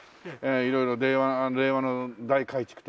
色々令和の大改築という事で。